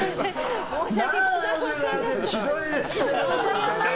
申し訳ございませんでした。